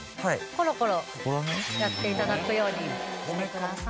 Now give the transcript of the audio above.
コロコロやって頂くようにしてください。